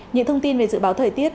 những thông tin về dự báo thời tiết